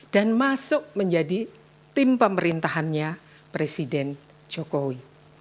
dan masuk menjadi tim pemerintahannya presiden jokowi